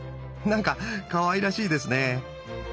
なんかかわいらしいですね。